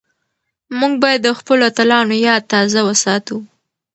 موږ بايد د خپلو اتلانو ياد تازه وساتو.